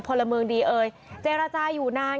พลเมืองดีเอ่ยเจรจาอยู่นาน